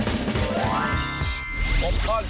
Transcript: แต่ถ้าจะให้รสชาติมันแซ่บแล้วก็ทานกับน้ำจิ้มซีฟู้ดแบบนี้